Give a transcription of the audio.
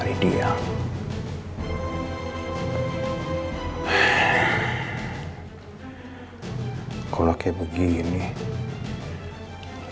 empat menit selamat berada di dalam sek maker